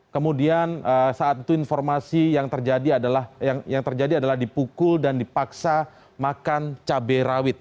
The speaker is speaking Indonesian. kemudian saat itu informasi yang terjadi adalah dipukul dan dipaksa makan cabai rawit